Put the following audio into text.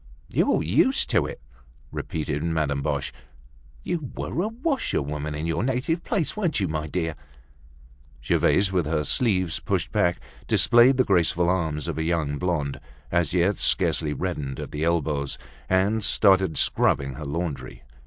"You're used to it?" repeated Madame Boche. "You were a washerwoman in your native place, weren't you, my dear?" Gervaise, with her sleeves pushed back, displayed the graceful arms of a young blonde, as yet scarcely reddened at the elbows, and started scrubbing her laundry.